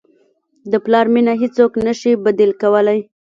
د پلار مینه هیڅوک نه شي بدیل کولی.